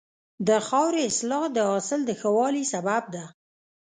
د خاورې اصلاح د حاصل د ښه والي سبب ده.